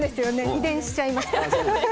遺伝しちゃいました。